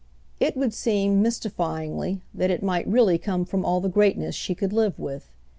It would seem, mystifyingly, that it might really come from all the greatness she could live with.